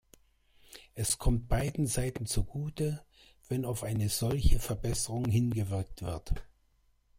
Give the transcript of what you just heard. Es kommt beiden Seiten zugute, wenn auf eine solche Verbesserung hingewirkt wird.